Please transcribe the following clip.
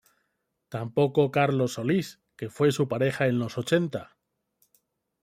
Tampoco Carlos Solís, que fue su pareja en los ochenta.